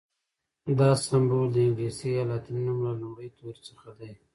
دا سمبول د انګلیسي یا لاتیني نوم له لومړي توري څخه دی.